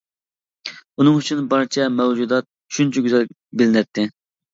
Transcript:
ئۇنىڭ ئۈچۈن بارچە مەۋجۇدات شۇنچە گۈزەل بىلىنەتتى.